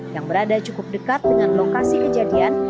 yang berada cukup dekat dengan lokasi kejadian